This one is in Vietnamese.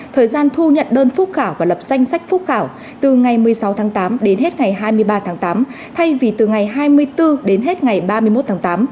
thời gian thu nhận đơn phúc khảo và lập danh sách phúc khảo từ ngày một mươi sáu tháng tám đến hết ngày hai mươi ba tháng tám thay vì từ ngày hai mươi bốn đến hết ngày ba mươi một tháng tám